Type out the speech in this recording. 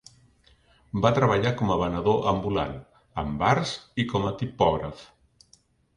Va treballar com a venedor ambulant, en bars i com a tipògraf.